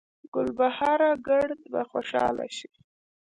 ګلبهاره ګړد به خوشحاله شي